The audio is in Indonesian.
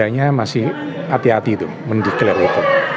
makanya masih hati hati tuh mendikler itu